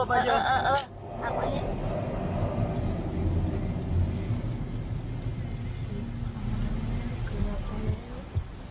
เออเออเออ